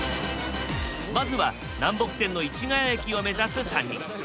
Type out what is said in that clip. まずは南北線の市ケ谷駅を目指す３人。